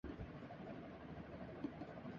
فکر مت کرو تم مجھ پر بھروسہ کر سکتے ہو